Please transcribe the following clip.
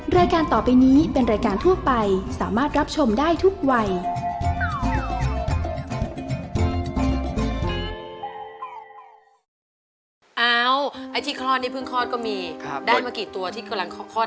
รายการต่อไปนี้เป็นรายการทั่วไปสามารถรับชมได้ทุกวัย